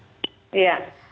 apa yang disampaikan